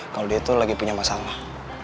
kalau dia itu lagi punya masalah